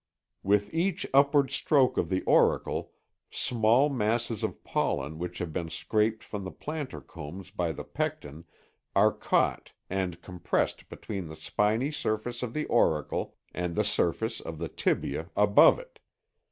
(See fig. 8, b.) With each upward stroke of the auricle small masses of pollen which have been scraped from the plantar combs by the pecten are caught and compressed between the spiny surface of the auricle and the surface of the tibia above it.